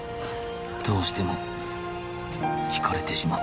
どうしても惹かれてしまう